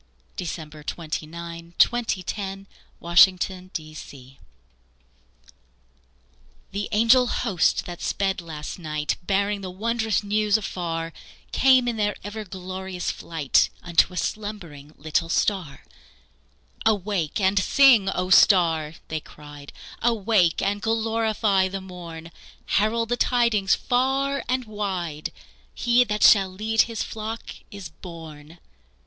CHRISTMAS MORNING The angel host that sped last night, Bearing the wondrous news afar, Came in their ever glorious flight Unto a slumbering little star. "Awake and sing, O star!" they cried. "Awake and glorify the morn! Herald the tidings far and wide He that shall lead His flock is born!"